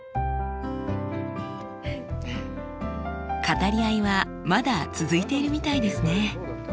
語り合いはまだ続いているみたいですね。